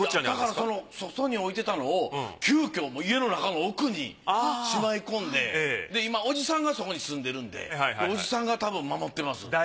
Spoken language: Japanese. だから外に置いてたのを急遽家の中の奥にしまい込んでで今おじさんがそこに住んでるんでおじさんがたぶん守ってます。